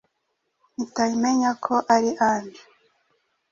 mpita menya ko ari Ange.